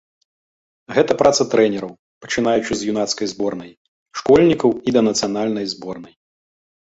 Гэта праца трэнераў, пачынаючы з юнацкай зборнай, школьнікаў і да нацыянальнай зборнай.